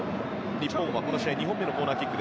日本はこの試合２本目のコーナーキック。